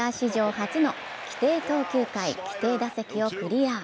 初の規定投球回・規定打席をクリア。